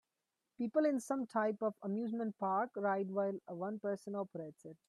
People in some type of amusement park ride while one person operates it.